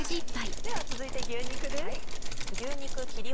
では続いて牛肉です。